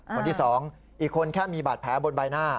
คนที่๒อีกคนแค่มีบาดแผลบนใบหน้า